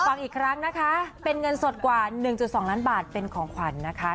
ฟังอีกครั้งนะคะเป็นเงินสดกว่า๑๒ล้านบาทเป็นของขวัญนะคะ